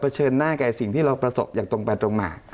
เชิญหน้าแก่สิ่งที่เราประสบอย่างตรงไปตรงมา